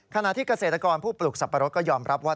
ขณะที่เกษตรกรผู้ปลูกสับปะรดก็ยอมรับว่า